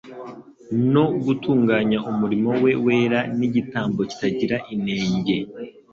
no gutunganya umurimo we wera n'igitambo kitagira inenge.